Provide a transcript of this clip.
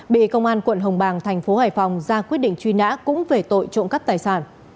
bị công an quận hồng bàng thành phố hải phòng ra quyết định truy nã cũng về tội trộm cắp tài sản